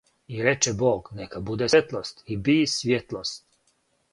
И рече Бог: нека буде свјетлост. И би свјетлост.